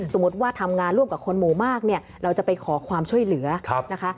สมมุติว่าทำงานร่วมกับคนหมู่มากเนี่ยเราจะไปขอความช่วยเหลือนะคะ